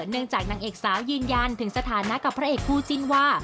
นางจากนางเอกสาวยืนยันถึงสถานะกับพระเอกคู่จิ้นว่า